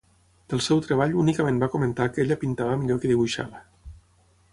Del seu treball únicament va comentar que ella pintava millor que dibuixava.